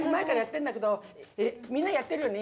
みんなやってるよね